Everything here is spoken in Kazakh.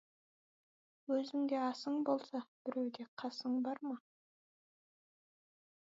Өзіңде асың болса, біреуде қасың бар ма!